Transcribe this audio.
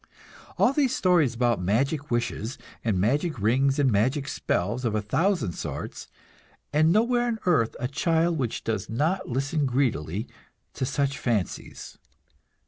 All these stories about magic wishes and magic rings and magic spells of a thousand sorts; and nowhere on earth a child which does not listen greedily to such fancies!